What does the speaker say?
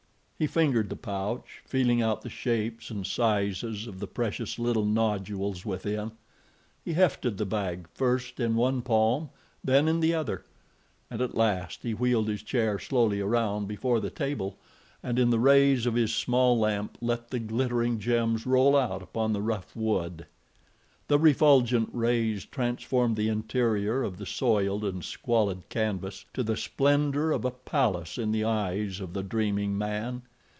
He fingered the pouch, feeling out the shapes and sizes of the precious, little nodules within. He hefted the bag, first in one palm, then in the other, and at last he wheeled his chair slowly around before the table, and in the rays of his small lamp let the glittering gems roll out upon the rough wood. The refulgent rays transformed the interior of the soiled and squalid canvas to the splendor of a palace in the eyes of the dreaming man.